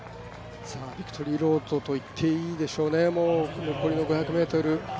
ビクトリーロードと言っていいでしょうね、残りの５００ｍ。